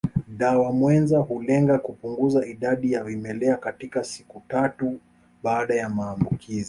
Dawa mwenza hulenga kupunguza idadi ya vimelea katika siku tatu baada ya maambukizi